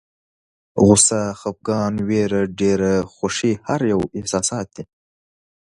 غوسه، خپګان، ویره، ډېره خوښي هر یو احساسات دي.